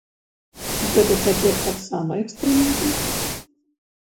Гэта цяпер таксама экстрэмізм?